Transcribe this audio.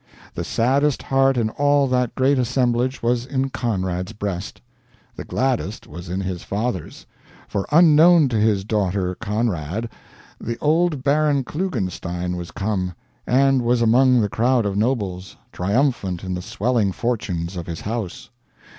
The saddest heart in all that great assemblage was in Conrad's breast. The gladdest was in his father's, for, unknown to his daughter "Conrad," the old Baron Klugenstein was come, and was among the crowd of nobles, triumphant in the swelling fortunes of his house.